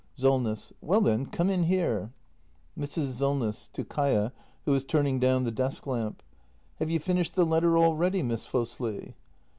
Solness. Well then, come in here. Mrs. Solness. [To Kaia, who is turning down (lie desk lamp.] Have you finished the letter already, Miss Fosli